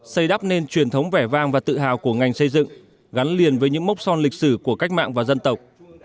xây đắp nên truyền thống vẻ vang và tự hào của ngành xây dựng gắn liền với những mốc son lịch sử của cách mạng và dân tộc